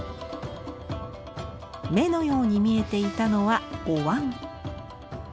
目のように見えていたのはおわん。